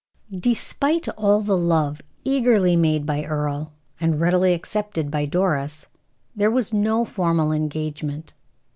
Despite all the love eagerly made by Earle, and readily accepted by Doris, there was no formal engagement.